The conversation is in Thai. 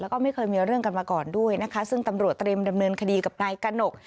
แล้วก็ไม่เคยมีเรื่องกันมาก่อนด้วยนะคะซึ่งตำรวจเตรียมดำเนินคดีกับนายกระหนก